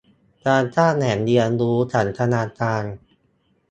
การสร้างแหล่งเรียนรู้สันทนาการ